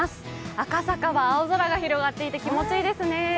赤坂は青空が広がっていて気持ちいいですね。